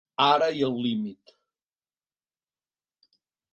Ara i al límit.